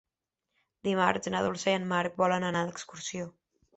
Dimarts na Dolça i en Marc volen anar d'excursió.